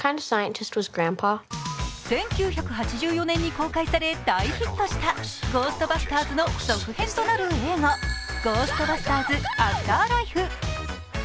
１９８４年に公開され大ヒットした「ゴーストバスターズ」の続編となる映画、「ゴーストバスターズ／アフターライフ」。